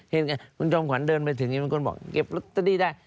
เห็นไหมคุณจอมขวัญเดินไปถึงนี้มีคนบอกเก็บละตะดี้ได้